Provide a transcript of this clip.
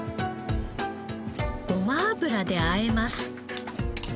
ごま油であえます。